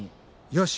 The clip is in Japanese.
よし！